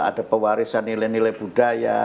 ada pewarisan nilai nilai budaya